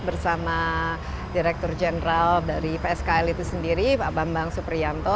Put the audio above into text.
bersama direktur jenderal dari pskl itu sendiri pak bambang suprianto